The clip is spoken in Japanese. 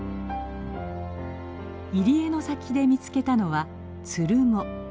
入り江の先で見つけたのはツルモ。